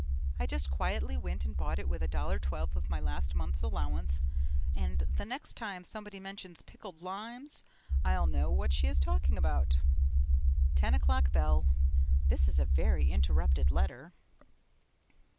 I just quietly went and bought it with $1.12 of my last month's allowance; and the next time somebody mentions pickled limes, I'll know what she is talking about! (Ten o'clock bell. This is a very interrupted letter.)